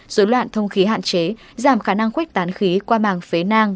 dối loạn thông khí hạn chế giảm khả năng khuếch tán khí qua màng phế nang